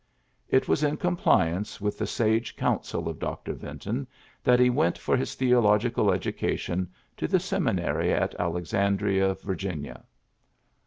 It was in compli ance with the sage counsel of Dr. Vinton that he went for his theological education to the Seminary at Alexandria, Vir ginia.